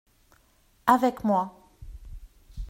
Avec moi.